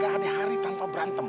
gak ada hari tanpa berantem